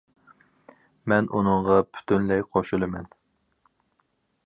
مەن ئۇنىڭغا پۈتۈنلەي قوشۇلىمەن.